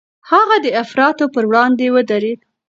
هغه د افراط پر وړاندې ودرېد.